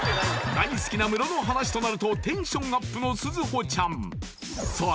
大好きなムロの話となるとテンションアップの紗穂ちゃんさあ